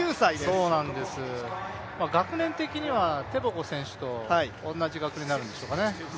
学年的にはテボゴ選手と同じ学年になるんでしょうかね。